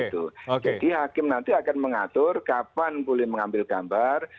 jadi hakim nanti akan mengatur kapan boleh mengambil gambar